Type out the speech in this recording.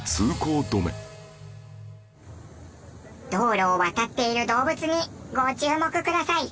道路を渡っている動物にご注目ください！